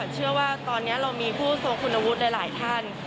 เชื่อว่าตอนนี้เรามีผู้ทรงคุณวุฒิหลายท่าน